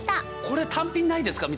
これ単品ないですか？